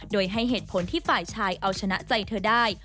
โดยให้เหตุผลที่ฝ่ายชายเอาชนะใจเธอได้